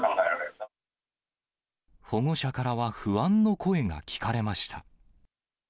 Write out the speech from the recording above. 保護者からは不安の声が聞か